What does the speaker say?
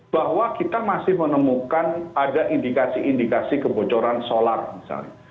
bahwa kita masih menemukan ada indikasi indikasi kebocoran solar misalnya